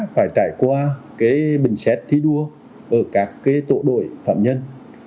phải trải qua bình xét thi đua ở các tổ đội phạm nhân